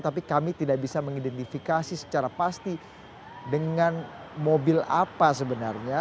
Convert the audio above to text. tapi kami tidak bisa mengidentifikasi secara pasti dengan mobil apa sebenarnya